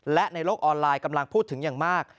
และในโลกออนไลน์กำลังพูดถึงอย่างมาก